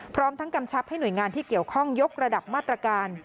พร้อมทั้งกำชับให้หน่วยงานที่เกี่ยวข้องยกระดับมาตรการ